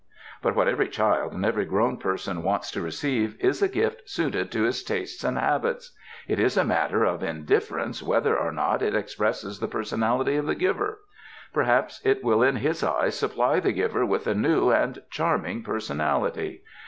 But what every child and every grown person wants ESSAYS to receive is a gift suited to his tastes and habits; it is a matter of indifference whether or not it ex presses the personality of the giver. Perhaps it will in his eyes supply the giver with a new and charm ing personality.